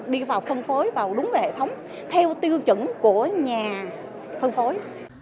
đi vào phân phối vào đúng hệ thống theo tiêu chuẩn của nhà phân phối